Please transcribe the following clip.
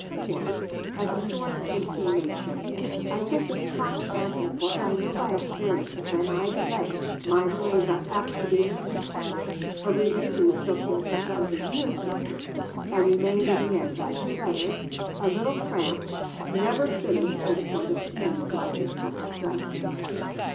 or, as a sort of hasty makeshift: 'I send this prompt answer, for I know by experience that when I delay my delays are apt to be lengthy.' A review took him sometimes a year to get through; and remained in the end, like his letters, a little cramped, never finished to the point of ease, like his published writings.